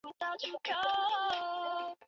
具备处理行政事务之处所